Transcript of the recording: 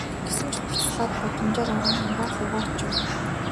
Гэсэн ч хувцаслаад гудамжаар орон амбаар луугаа очив.